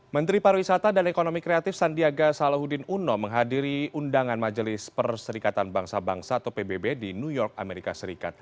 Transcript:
menteri pariwisata dan ekonomi kreatif sandiaga salahuddin uno menghadiri undangan majelis perserikatan bangsa bangsa atau pbb di new york amerika serikat